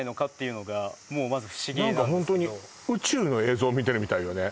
全部何かホントに宇宙の映像見てるみたいよね